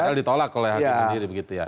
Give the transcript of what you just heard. padahal ditolak oleh hakim sendiri begitu ya